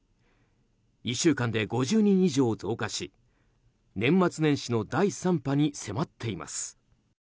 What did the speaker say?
１週間で５０人以上増加し年末年始の第３波に迫っています。